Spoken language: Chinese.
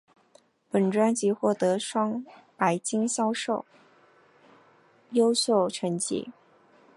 本专辑获得双白金销量优秀成绩。